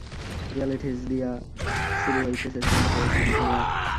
দেয়ালে ঠেস দিযা শুরু হইতে শেষ পর্যন্ত কেহ শুধু ঝিমায়।